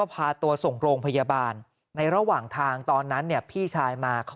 พาตัวส่งโรงพยาบาลในระหว่างทางตอนนั้นเนี่ยพี่ชายมา